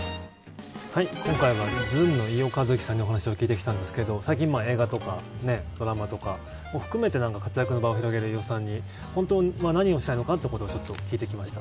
今回は、ずんの飯尾和樹さんにお話を聞いてきたんですけど最近、映画とかドラマとかを含めて活躍の場を広げる飯尾さんに本当は何をしたいのかということを聞いてきました。